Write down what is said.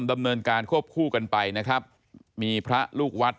มีพระลูกวัด